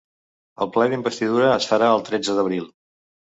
El ple d’investidura es farà el tretze d’abril.